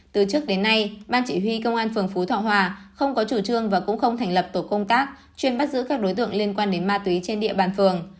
từ trước đến nay ban chỉ huy công an phường phú thọ hòa không có chủ trương và cũng không thành lập tổ công tác chuyên bắt giữ các đối tượng liên quan đến ma túy trên địa bàn phường